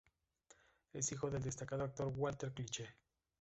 Es hijo del destacado actor Walter Kliche.